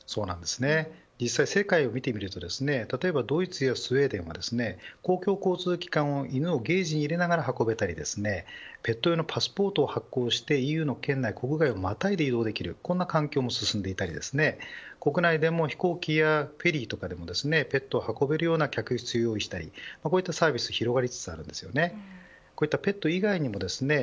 世界を見てみると例えばドイツやスウェーデンは公共交通機関を犬をケージに入れながら運べたりペット用のパスポートを発行してＥＵの県内をまたいで利用ができる環境が進んでいったり国内でも飛行機やフェリーでもペットを運べるような客室を用意したりこういったサービスが広がっています。